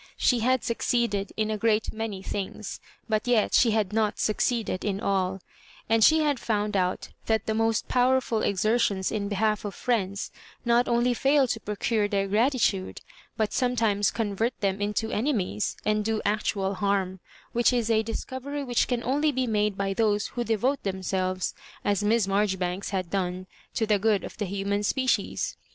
She had succeeded in a great many things, but yet she had not succeeded in all ; and she had found out that the most powerful exer tions in behalf of friends not only fail to procure their gratitude, but sometimes convert them into enemies, and do actual harm ; which is a^lisoovery which can only be made by those who devote themselves, as Miss Maijoribanks had done, to the good of the human species.